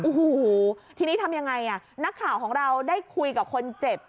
โอ้โหทีนี้ทำยังไงอ่ะนักข่าวของเราได้คุยกับคนเจ็บ